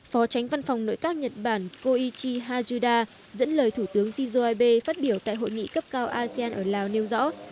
phó tránh văn phòng nội các nhật bản koichi hazuda dẫn lời thủ tướng shinzo abe phát biểu tại hội nghị cấp cao asean ở lào nêu rõ